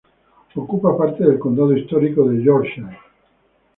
Ocupa parte del condado histórico de Yorkshire.